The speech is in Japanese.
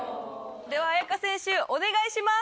では亜矢可選手お願いします！